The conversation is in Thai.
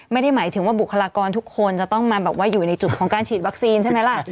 ไม่ได้หมายถึงว่าบุคลากรทุกคนจะต้องมาแบบว่าอยู่ในจุดของการฉีดวัคซีนใช่ไหมล่ะ